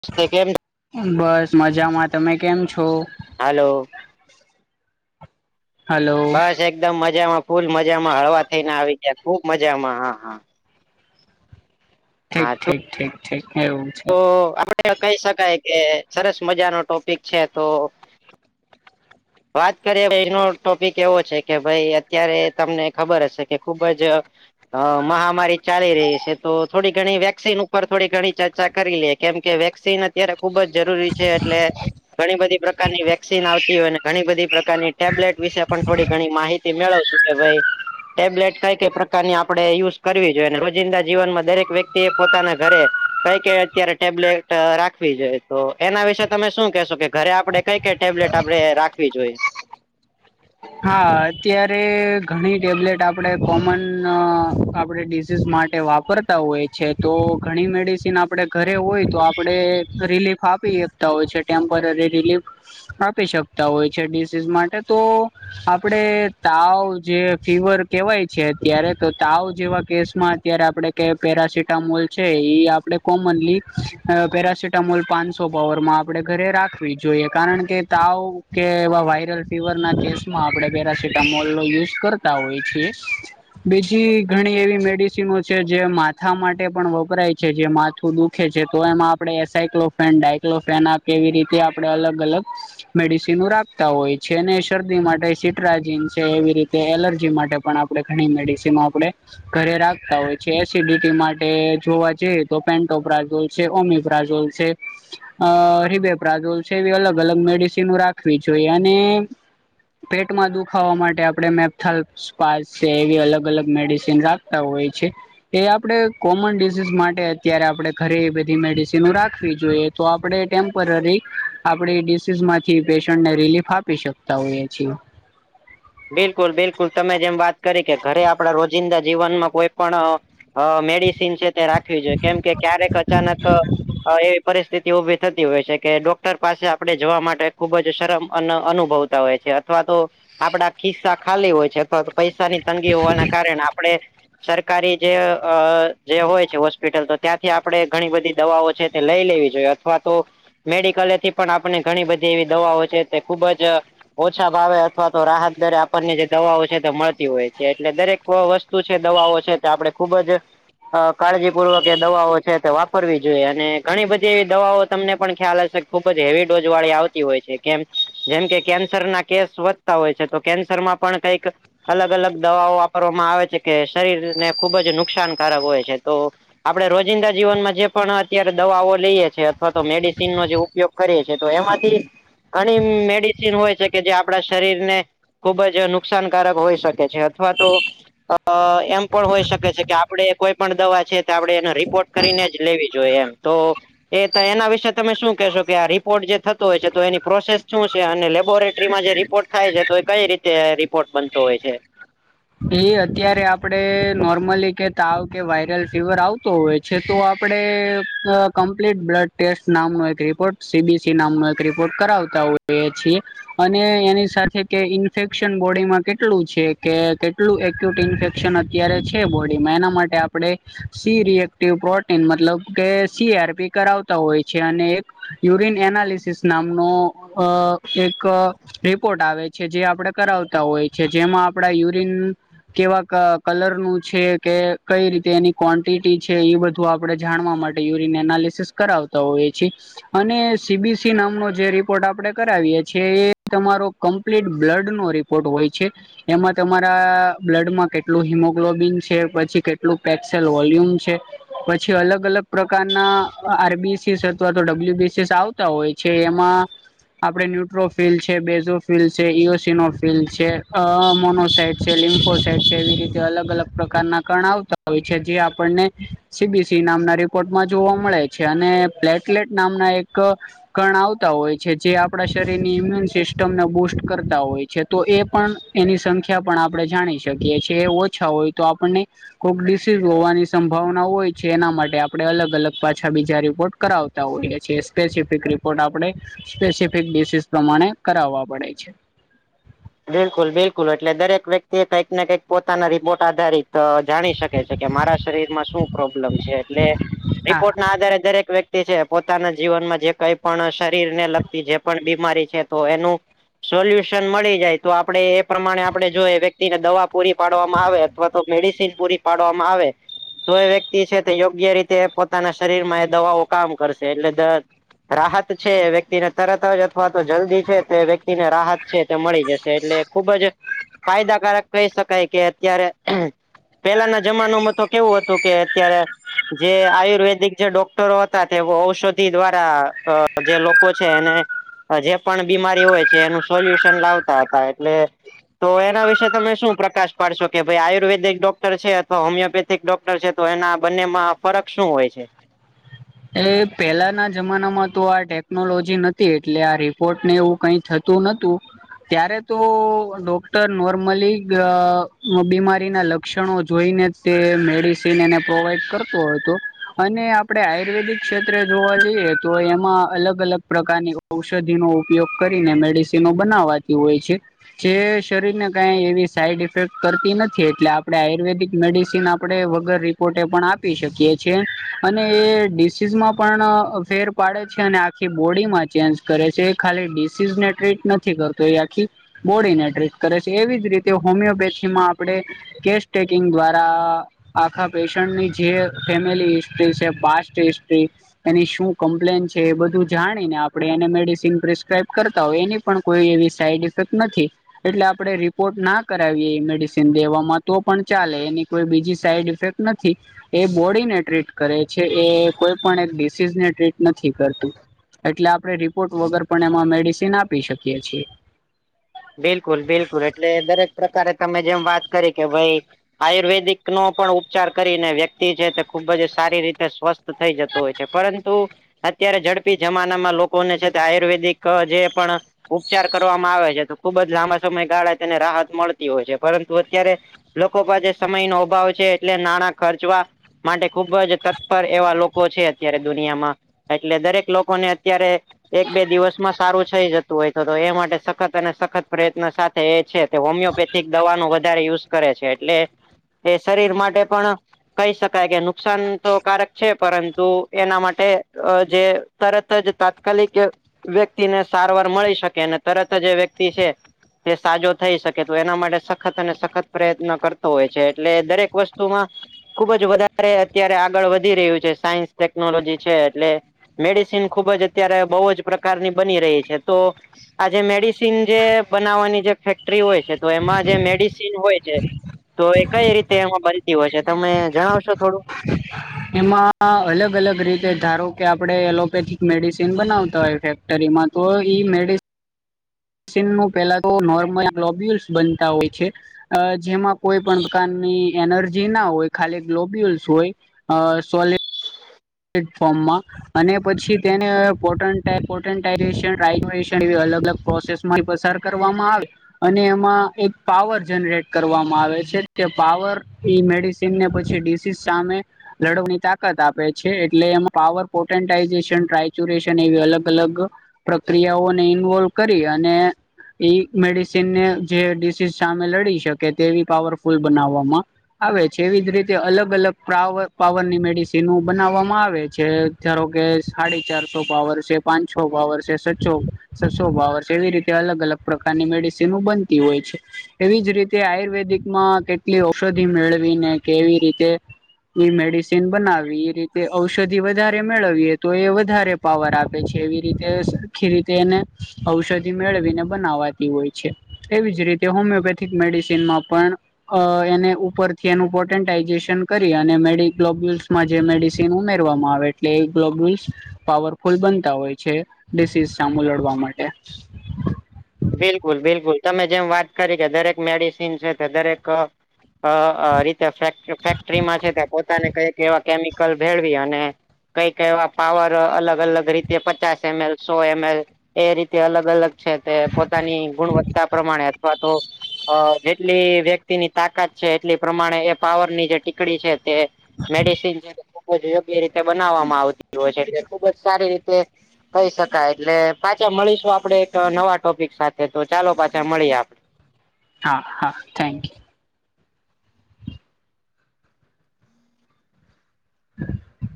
[unintelligible] ટે કેમ બસ મજામાં, તમે કેમ છો? હલો. હલો. બસ એકદમ મજામાં, ફૂલ મજામાં, હળવા થઈને આવી ગયા ખુબ મજામાં હા, હા. ઠીક હા ઠીક ઠીક ઠીક એવું છે. [unintelligible] કઈ શકાય કે સરસ મજાનો ટોપિક છે તો વાત કરીએ એનો ટોપિક એવો છે કે, ભઈ અત્યારે તમને ખબર હશે કે ખુબ જ અ મહામારી ચાલી રહી છે, તો થોડી ઘણી વેક્સિન ઉપર થોડી ઘણી ચર્ચા કરી લે કેમ કે, વેક્સિન અત્યારે ખુબ જ જરૂરી છે, એટલે ઘણી બધી પ્રકારની વેક્સિન આવતી હોય ને ઘણી બધી પ્રકારની ટેબ્લેટ વિશે પણ થોડી ઘણી માહિતી મેળવ શું કે ભઈ ટેબ્લેટ કઈ કઈ પ્રકારની આપડે યુઝ કરવી જોઈએ. ને રોજિંદા જીવનમાં દરેક વ્યક્તિ એ પોતાના ઘરે કઈ કઈ અત્યારે ટેબલેટ રાખવી જોઈએ તો એના વિશે તમે શું કેશો કે ઘરે આપડે કઈ કઈ ટેબલેટ આપડે રાખવી જોઈએ? હા, અત્યારે ઘણી ટેબ્લેટ આપડે કોમન આપડે ડીઝીઝ માટે વા કરતા હોય છે, તો ઘણી મેડિસિન આપડે ઘરે હોય તો આપડે રિલીફ આપીએ તા હોય છે. ટેમ્પરરી રિલીફ આપી શકતા હોય છે, ડિસીઝ માટે તો આપડે તાવ જે ફીવર કેવાય છે અત્યારે, તો તાવ જેવા કેસમાં અત્યારે આપડે કે પેરાસિટામોલ છે ઈ આપડે કોમનલી પેરાસિટામોલ પાંનસો પાવરમાં આપડે ઘરે રાખવી જોઈએ. કારણ કે, તાવ કે એવા વાયરલ ફીવરના કેસ માં આપડે પેરાસિટામોલનો યુઝ કરતા હોય છે. બીજી ઘણી એવી મેડિસિનો છે, જે માથા માટે પણ વપરાય છે જે માથું દુ ખે છે તો એમાં આપડે એસાયક્લોફેન, ડાયક્લોફેના કે એવી રીતે આપડે અલગ-અલગ મેડિસિનો રાખતા હોય છે, ને શરદી માટ પઈ સિટ્રાજીન છે, એવી રીતે એલર્જી માટે પણ આપડે ઘણી મેડિસનો આપડે ઘરે રાખતા હોય છે, એસિડિટી માટે જોવા જઈએ તો પેન્ટોપ્રાઝોઈ છે, ઓમીબ્રાઝોલ છે અ રિબેપ્રાઝોલ છે એવી અલગ-અલગ મેડિસિનો રાખવી જોઈએ અને પેટમાં દુખાવા માટે આપડે મેપથલસ્પાસે એવી અલગ-અલગ મેડિસન આપતા હોય છે. એ આપડે કોમન ડિઝઝ માટે અત્યારે આપડે ઘરે બધી મેડિસિનો રાખવી જોઈએ. તો આપડે ટેમ્પરરી આપડી ડિસીઝમાંથી પેશન્ટને રિલીફ આપી શકતા હોઈએ. છી [unintelligible] બિલકુલ, બિલકુલ તમે જેમ વાત કરી કે, ઘરે આપડા રોજિંદા જીવનમાં કોઈ પણ અ મેડિસિન છે તે રાખવી જોઈએ કેમ કે, ક્યારેક અચાનક અ એ પરિસ્થિત તે ઊભી થતી હોય છે કે, ડોક્ટર પાસે આપડે જવા માટે ખૂબ જ શરમ અન-અનુભવતા હોયે છે અથવા તો આપડા ખિસ્સા ખાલી હોય છે, અથવા તો પૈસાની તંગી હોવાના કારણે આપડે સરકારી જે અ જે હોય છે, હોસ્પિટલ તો ત્યાંથી આપડે ઘણી બધી દવાઓ છે તે લઈ લેવી જોઈએ અથવા તો મેડિકલેથી પણ આપને ઘણી બધી એવી દવાઓ છે તે ખુબ જ ઓછા ભાવે અથવા તો રાહત દરે આપડને જે દવાઓ છે તે મળતી હોય છે એટલે દરેક અ વસ્તુ છે, દવાઓ છે તો આપડે ખુબ જ અ કાળજીપૂર્વક એ દવાઓ છે તે વાપરવી જોઈએ, અને ઘણી બધી એવી દવાઓ તમને પણ ખ્યાલ હશે ખુબ જ હેવી ડોઝવાળી આવતી હોય છે કેમ જેમ કે, કેન્સરના કેસ વ તા હોય છે તો કેન્સર માં પણ કંઈક. અલગ અલગ દવાઓ વાપરવામાં આવે છે કે શરીરને ખુબ જ નુકસાનકારક હોય છે તો. આપડે રોજિંદા જીવનમાં જે પણ અત્યારે દવાઓ લઈએે છે અથવા તો મેડિસિન નો જેવું. ઉપયોગ કરીએ છીએ તો એમાંથી ઘણી મેડિસિન હોય છે કે જે આપડા શરીર ને ખુબ જ નુકસાનકારક હોય શકે છે અથવા તો અ એમ પણ હોય શકે છે કે આપડે કોઈ પણ દવા છે તે આપણે એનો રિપોર્ટ કરીને જ લેવી જોઈએ એમ તો એ ત એના વિશે તમે શું કેહેશો કે આ રિપોર્ટ જે થતો હોય છે તો એની પ્રોસેસ શું છે અને લેબોરેટ ટ્રીમા જે રિપોર્ટ થાય છે તો એ કઈ રીતે રિપોર્ટ બનતો હોય છે. એ અત્યારે આપડે નોર્મલી કે તાવ કે વાયરલ ફીવર આવતો હોય છે તો આપણે કમ્પ્લીટ બ્લડ ટેસ્ટ નામનો એક રિપોર્ટ સીબી છી નામનો એક રિપોર્ટ કરાવતા હોય એ છીએ. અને એની સાથે કે ઇન્ફેક્શન બોડીમાં કેટલું છે કે કેટલું એક્યુટીન ઇન્ફેક્શન અત્યારે છે બોડીમાં એના માટે આપણે સી રએ ટીવ પ્રોટીન મતલબ કે સી આરપી કરાવતા હોય છે અને એક યુરિન એનાલિસિસ નામનો અ એક રિપોર્ટ આવે છે જે આપણે કરાવતા હોય છે જેમાં આપડા યુરિન કેવા ક કલર નું છે કે કઈ રીતે એની ક્વૉન્ટિટી છે એ બધું તો આપણે જાણવા માટે યુરિન એનાલિસિસ કરાવતા હોઈ છીએ. અને સીબીસી નામનો જે રિપોર્ટ આપણે કરાવીએ છીએ એ તમારો કમ્પ્લીટ બ્લડનો રિપોર્ટ હોય છે એમાં તમારા બ્લડ માં કેટલું હિમોગ્લોબિન છે પછી કેટલું પેક્સેલ વોલ્યુમ છે. પછી અલગ અલગ પ્રકારના આરબીસીસ અથવા તો ડબલ્યુબીસીસ આવ તા હોય છે એમાં આપડે ન્યુટ્રોફિલ્ડ છે, બેઝોફિલ્ડ છે ઇયોસનોટફિલ્ડ છે, અ મોનોસાઈડ છે ફોસેટ છે એવી રીતે અલગ અલગ પ્રકારના કણ આવતા હોય છે જે આપન ને સીબીસી નામના રિપોર્ટમાં જોવા મળે છે અને પ્લેટલેટ નામના એક કણ આવતા હોય છે જે આપડા શરીરની ઈમ્યુન સિસ્ટમને બુસ્ટ કરતા હોય છે. તો એ પણ એની સંખ્યા પણ આપણે જાણી શકીએ છીએ એ ઓછા હોય તો આપણને કોક ડિસીઝ હોવાની સંભાવના હોય છે એના માટે આપડે અલગ અલગ પાછા બીજા રિપોર્ટ કરાવ તા હોઈએ છે સ્પેસિફિક રિપોર્ટ આપણે સ્પેસિફિક ડિસીસ પ્રમાણે કરાવવા પડે છે. બિલકુલ બિલકુલ એટલે દરેક વ્યક્તિ કંઈક ને કંઈક પોતાના રિપોર્ટ આધારિત જાણી શકે છે. કે મારા શરીરમાં શું પ્રોબ્લેમ છે એટલે હા રિપોર્ટના આધારે દરેક વ્યક્તિ તી છે પોતાના જીવનમાં જે કઈ પણ શરીર ને લગતી જે પણ બીમારી છે તો એનું સોલ્યુશન મળી જાય. તો આપડે એ પ્રમાણે આપડે જો વ્યક્તિને દવા પૂરી પાડવામાં આવે અથવા તો મેડિસિન પૂરી પાડવામાં આવે તો એ વ્યક્તિ છે તે યોગ્ય રીતે પોતાના શરીરમાં એ દવાઓ કામ કરશે એટલે દ રાહત છે એ વ્યક્તિને તરત જ અથવા તો જલ્દી છે તે વ્યક્તિને રાહત છે તે મળી જશે એટલે ખુબ જ ફાયદાકારક કહી શકાય કે અત્યારે પેલાના જમાનોમાં તો કેવું હતું કે અત્યારે જે આયુર્વેદિક જે ડોક્ટરો હતા તે ઔષધિ દ્વારા અ જે લોકો છે એને જે પણ બીમારી હોય છે એનું સોલ્યુશન લાવતા તા એટલે તો એના વિશે તમે શું પ્રકાશ પાડશો કે ભાઈ આયુર્વેદિક ડોક્ટર છે અથવા હોમિયોપે થીક ડોક્ટર છે તો એના બંનેમાં ફરક શું હોય છે? એ પહેલાના જમાનામાં તો આ ટેકનોલોજી નથી એટલે આ રિપોર્ટને એવું કઈ થતું તો નતું. ત્યારે તો ડોક્ટર નોર્મલી ગ બીમારીના લક્ષણો જોઈને તે મેડિસન એને પ્રોવાઈડ કરતો હતો અને આપડે આ આયુર્વેદિક ક્ષેત્રે જોવા જઈએ તો એમાં અલગ અલગ પ્રકારની ઔષધિનો ઉપયોગ કરીને મેડિસ તે બનાવાતી હોય છે જે શરીર ને કઈ એવી સાઈડ ઇફેક્ટ કરતી નથી એટલે આપડે આયુર્વેદિક મેડિસિન આપ આપણે વગર રિપોર્ટે પણ આપી શકીએ છીએ અને એ ડિસીઝમાં પણ ફેર પાડે છે અને આખી બોડીમાં ચેન્જ કરે છે એ ખાલી ડિસીઝને ટ્રીટ નથી કરતો એ આખી બોડીને ટ્રીટ કરે છે એવી જ રીતે હોમિયોપેથીમાં આપડે કેસટેકિંગ દ્વારા આખા પેશન્ટની જે ફેમિલી હિસ્ટ્રી છે પા સ્ટ હિસ્ટ્રી. એની શું કમ્પ્લેન છે એ બધું જાણી ને આપડે એને મેડિસિન પ્રિસ્ક્રાઈબ કરતા હોય એની પણ કોઈ એવી સાઈડ ઇફેક્ટ નથી એટલે આપણે રિપોર્ટ ના કરાવીએ એ મેડિસિન દેવામાં તો પણ ચાલે એની કોઈ બીજી સાઈડ ઇફેક્ટ નથી એ બોડીને ટ્રીટ કરે છે. એ કોઈ પણ એક ડિસીઝને ટ્રીટ નથી કરતું એટલે આપણે રિપોર્ટ વગર પણ એમાં મેડિસિન આપી શકીએ છીએ. બિલકુલ બિલકુલ એટલે દરેક પ્રકારે તમે જેમ વાત કરી કે ભાઈ આયુર્વેદિક નો પણ ઉપચાર કરીને વ્યક્તિ છે તે ખુબ જ સારી રીતે સ્વસ્થ થઈ જતું હોય છે પરંતુ અત્યારે ઝડપી જમાનામાં લોકોને છે તે આયુર્વેદિક જે પણ ઉપચાર કરવામાં આવે છે તો ખુબ જ લાંબા સમય ગાળા તેને રાહત મળતી હોય છે પરંતુ અત્યારે લોકો પાસે સમય નો અભાવ છે એટલે નાણા ખર્ચવા માટે ખુબ જ તત્પર એવા લોકો છે અત્યારે દુનિયામાં એટલે દરેક લોકો ને અત્યારે એક બે દિવસમાં સારું થઈ જતું હોય તો તો એ માટે સખત અને સ ખત પ્રયત્ન સાથે એ છે કે હોમિયોપેથિક દવા નો વધારે યુઝ કરે છે એટલે એ શરીર માટે પણ કહી શકાય કે નુકસાન તો કારક છે પરંતુ એના માટે જે તરત જ તાત્કાલિક વ્યક્તિને સારવાર મળી શકે અને તરત જ એ વ્યક્તિ છે તે સાજો થઈ શકે તો એના માટે સખત અને સખત પ્રયત્ન કરતો હોય છે એટલે દરેક વસ્તુમાં ખુબ જ વધારે અત્યારે આગળ વધી રહ્યું છે સાયન્સ ટેકનોલોજી છે એટલે મેડિસીન ખુબ જ અત્યારે બહુ જ પ્રકારની બની રહી છે તો આજ મેડી સીન જે બનાવવાની જે ફેક્ટરી હોય છે તો એમાં જે મેડિસિન હોય છે તો એ કઈ રીતે એમાં બનતી હોય છે તમે જણાવશો થોડું. એમાં અલગ અલગ રીતે ધારો કે આપડે એલોપેથિક મેડિસિન બનાવતા હોય છે. ટરીમાં તો ઈ મેડિ સીન નુ પહેલા તો નોર્મલ ગ્લોબ્યુલ્સ બનતા હોય છે. અ જેમાં કોઈ પણ પ્રકારની એનર્જી ના હોય ખાલી ગ્લોબ્યુલ્સ હોય અ સોલીડ ડ ફોમાં અને પછી તેને પોટન પોટશનન [unintelligible] એવી અલગ અલગ પ્રોસેસ પસાર કરવામાં આવે અને એમાં એક પાવર જનરેટ કરવામાં આવે છે તે પાવર મેડી સીને પછી ડીસીસ સામે લડવાની તાકાત આપે છે એટલે એમાં પાવર પોટેન્ટાઈઝેશન ટાયચુરેશન એવી અલગ અલગ પ્રક્રિયાઓને ઇન્વોલ્વ કરી અને ઈ મેડિસન ને જે ડીસીઝ સામે લડી શકે તેવી પાવરફુલ બનાવવામાં આવે છે એવી જ રીતે અલગ અલગ પ્રાવ પાવરની મેડિસિનુ બનાવવામાં આવે છે ધારો કે સાડી ચારસો પાવર છે પાંચસો પાવર છે છસો છસો પાવર છે એવી રીતે અલગ અલગ પ્રકારની મેડિસિનો બનતી હોય છે એવી જ રી તે આયુર્વેદિક માં કેટલી ઔષધિ મેળવી ને કેવી રીતે એ મેડિસિન બનાવી રીતે ઔષધિ વધારે મેળવીએ તો એ વધારે પાવર આપે છે એવી રીતે આખી રીતે એને ઔષધિ મેળવીને બનાવાતી હોય છે. એવી જ રીતે હોમિયોપેથિક મેડિસિનમાં પણ અ એને ઉપરથી એનું પોટેન્ટાઈઝેશન કરી અને મેડી ગ્લોબ્યુલ્સમાં જે મે ચિન ઉમેરવામાં આવે એટલે ગ્લોબ્યુલ્સ પાવરફુલ બનતા હોય છે, ડિસીઝ સામું લડવા માટે. બિલકુલ, બિલકુલ તમે જેમ વાત કરી કે દરેક મેડિસિન છે તે દરેક અ અ રીતે ફેક ફેક્ટરીમાં છે તે પોતાને કઈક એવા કેમિકલ ભેળવી અને કઈક એવા પાવર અલગ-અલગ રીતે પચાસ એમએલ, સો એમએલ એ રીતે અલગ-અલગ છે તે પોતાની ગુણવત્તા પ્રમાણે અથવા તો અ જેટલી વ્યક્તિની તાકાત છે એટલી પ્રમાણે એ પાવરની જે ટીકડી છે તે મેડિસન છે, ખુબ જ યોગ્ય રીતે બનાવવામાં આવતી હોય છે. ખૂબ જ સારી રીતે કઈ શકાય એટલે પાછા મળીશું આપડે એક નવા ટોપિક સાથે તો ચાલો પાછા મળીએ આપ હા, હા થેન્ક યુ.